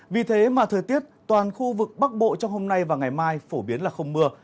vì thế mà thời tiết toàn khu vực bắc bộ trong hôm nay và ngày mai phổ biến là không mưa